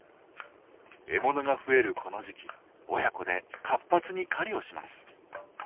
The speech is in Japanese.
獲物が増えるこの時期親子で活発に狩りをします。